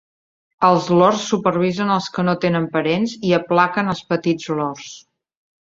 Els Lords supervisen els que no tenen parents i aplaquen els petits Lords.